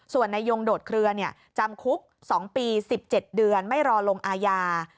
ส่วนนายยงโดดเคลือจำคุก๒ปี๑๗เดือนไม่รอลงอาญา